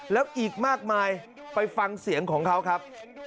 แล้วอีกมากมายไปฟังเสียงของเขาครับ